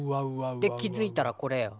で気づいたらこれよ。